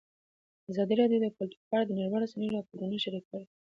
ازادي راډیو د کلتور په اړه د نړیوالو رسنیو راپورونه شریک کړي.